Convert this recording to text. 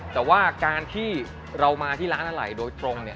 แต่ว่าการที่เรามาที่ร้านอะไรโดยตรง